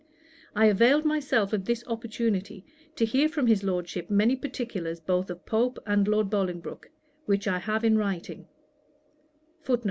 I availed myself of this opportunity to hear from his Lordship many particulars both of Pope and Lord Bolingbroke, which I have in writing.